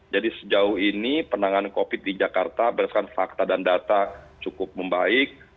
jadi sejauh ini penanganan covid di jakarta berdasarkan fakta dan data cukup membaik